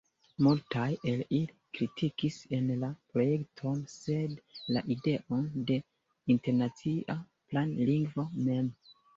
Multaj el ili kritikis ne la projekton, sed la ideon de internacia planlingvo mem.